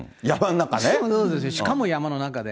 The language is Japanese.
そうです、そうです、しかも山の中で。